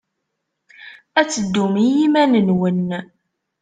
Ad teddum i yiman-nwen.